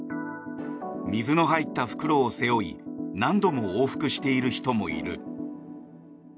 水の入った袋を背負い何度も往復している人もいる。